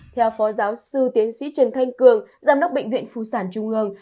theo phó giáo sư tiến sĩ trần thanh cường giám đốc bệnh viện phụ sản trung ương